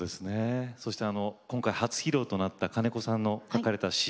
そして今回初披露となった金子さんの書かれた詞